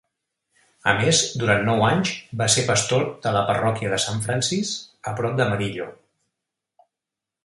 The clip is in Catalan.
A més, durant nou anys va ser pastor de la parròquia de Saint Francis a prop d"Amarillo.